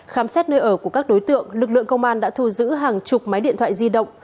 khám xét nơi ở của các đối tượng lực lượng công an đã thu giữ hàng chục máy điện thoại di động